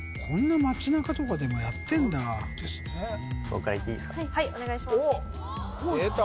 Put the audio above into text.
こんな町なかとかでもやってんだですね